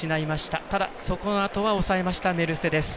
ただ、そのあとは抑えましたメルセデス。